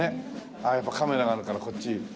ああやっぱカメラがあるからこっち。